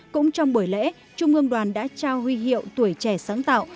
cũng trong buổi lễ trung ương đoàn đã trao huy hiệu tuổi trẻ sáng tạo